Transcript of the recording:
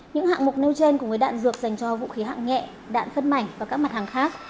những hạng mục nêu trên của người đạn dược dành cho vũ khí hạng nhẹ đạn phân mảnh và các mặt hàng khác